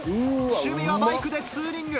趣味はバイクでツーリング。